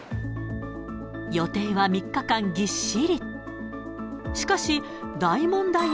予定は３日間ぎっしり。